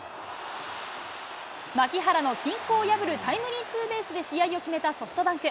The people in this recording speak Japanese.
牧原の均衡を破るタイムリーツーベースで試合を決めたソフトバンク。